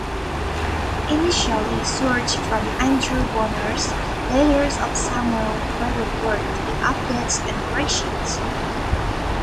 Initially sourced from Andrew Bonar's "Letters of Samuel Rutherford", with updates and corrections.